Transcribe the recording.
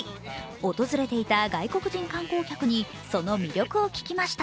訪れていた外国人観光客にその魅力を聞きました。